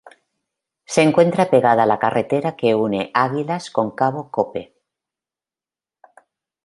Se encuentra pegada a la carretera que une Águilas con Cabo Cope.